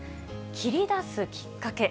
切り出すきっかけ。